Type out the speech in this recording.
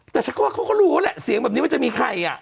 แต่ฉันก็ว่าเขาก็รู้แหละเสียงแบบนี้มันจะมีใครอ่ะ